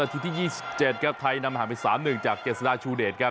ทีที่๒๗ครับไทยนำห่างไป๓๑จากเจษฎาชูเดชครับ